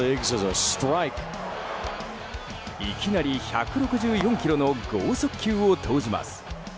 いきなり１６４キロの豪速球を投じます。